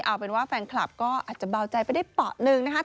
เอาเป็นว่าแฟนคลับก็อาจจะเบาใจไปได้เปาะหนึ่งนะคะ